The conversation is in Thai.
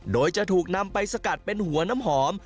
โดยจะถูกนำไปสกัดเป็นหัวน้ำหอม